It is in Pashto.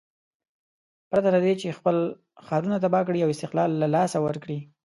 پرته له دې چې خپل ښارونه تباه کړي او استقلال له لاسه ورکړي.